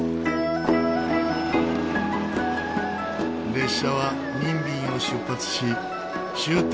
列車はニンビンを出発し終点